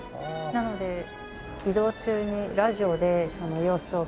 なので移動中にラジオでその様子を聞いて。